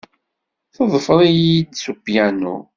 Teḍfer-iyi-d s upyanu.